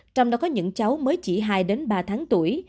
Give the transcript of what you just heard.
trong đó có những cháu mới chỉ hai ba tháng tuổi